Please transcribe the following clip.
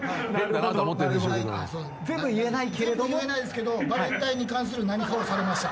全部言えないんすけどバレンタインに関する何かをされました。